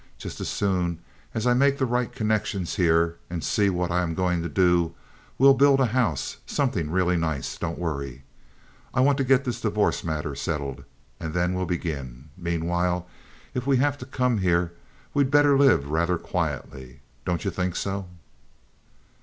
Just as soon as I make the right connections here and see what I am going to do we'll build a house—something really nice—don't worry. I want to get this divorce matter settled, and then we'll begin. Meanwhile, if we have to come here, we'd better live rather quietly. Don't you think so?"